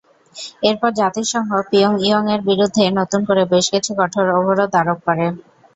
এরপর জাতিসংঘ পিয়ংইয়ংয়ের বিরুদ্ধে নতুন করে বেশ কিছু কঠোর অবরোধ আরোপ করে।